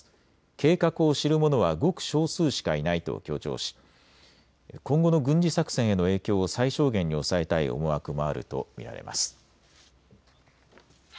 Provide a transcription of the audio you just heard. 計画を知る者はごく少数しかいないと強調し今後の軍事作戦への影響を最小限に抑えたい思惑もあると見られます。